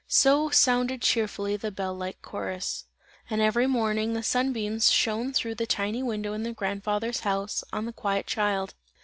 So sounded cheerfully the bell like chorus. And every morning the sun beams shone through the tiny window in the grandfather's house, on the quiet child.